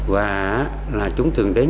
và là chúng thường đến